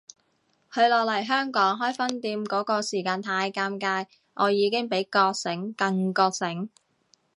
佢落嚟香港開分店嗰個時間太尷尬，我已經比覺醒更覺醒